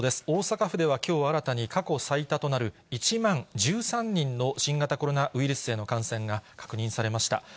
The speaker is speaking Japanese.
大阪府では、きょう新たに過去最多となる１万１３人の新型コロナウイルスへの感染が確認されました。